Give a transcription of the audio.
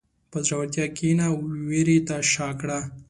په زړورتیا کښېنه، وېرې ته شا کړه.